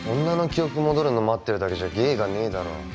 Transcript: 女の記憶戻るの待ってるだけじゃ芸がねえだろ。